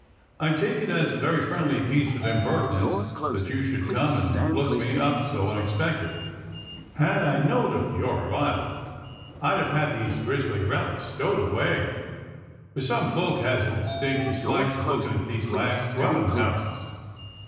I take it as a very friendly piece of impertinence that you should come and look me up so unexpected. Had I knowed of your arrival I'd have had these grizzly relics stowed away, for some folk has a distinct dislike to lookin' at these last dwellin' houses."